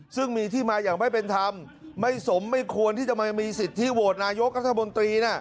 ซึ่งมีที่มาอย่างไม่เป็นธรรมไม่สมไม่ควรที่จะมามีสิทธิโหวตนายกรัฐมนตรี